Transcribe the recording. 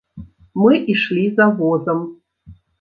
Мы ішлі за возам.